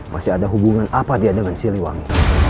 masih ada hubungan apa dia dengan siliwangi